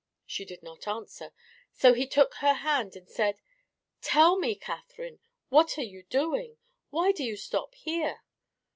She did not answer, so he took her hand and said, "Tell me, Catherine, what are you doing? Why do you stop here?"